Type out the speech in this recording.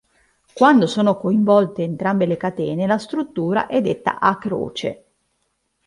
Quando sono coinvolte entrambe le catene la struttura è detta a croce.